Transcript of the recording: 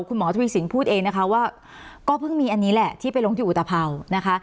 คุณหมอทวีสินพูดเองนะคะว่าก็เพิ่งมีอันนี้แหละที่ไปลงที่อุตภาวนะคะ